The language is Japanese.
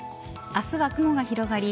明日は雲が広がり